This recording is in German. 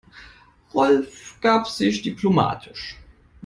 Rolf gab sich diplomatisch.